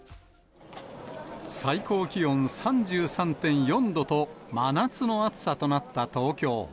最高気温３３．４度と、真夏の暑さとなった東京。